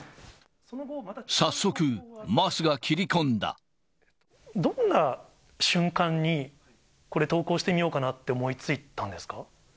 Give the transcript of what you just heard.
早速、どんな瞬間に、これ、投稿してみようかなって思いついたんですか？